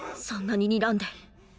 そんなににらんで。